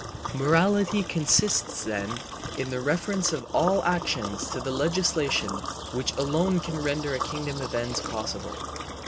Morality consists then in the reference of all action to the legislation which alone can render a kingdom of ends possible.